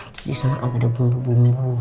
terus disana gak ada bumbu bumbu